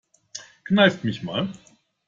Kneif mich mal.